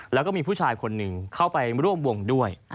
แล้วก็มีผู้ชายคนหนึ่งเข้าไปร่วมวงด้วย